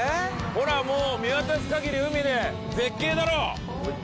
ほらもう見渡すかぎり海で絶景だろう？えっ？